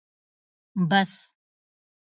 🚍 بس